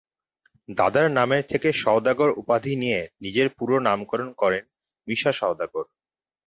দাদার নামের থেকে সওদাগর উপাধি নিয়ে নিজের পুরো নামকরণ করেন মিশা সওদাগর।